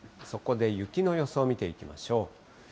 そこで雪の予想を見ていきましょう。